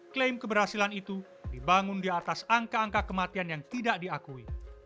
klaim keberhasilan itu dibangun di atas angka angka kematian yang tidak diakui